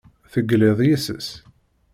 Tegliḍ yes-s.